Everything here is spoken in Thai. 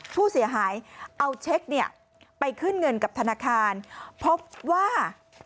ผู้เสียหายเอาเช็คเนี่ยไปขึ้นเงินกับธนาคารพบว่า